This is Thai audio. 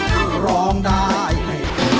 คือร้องได้ให้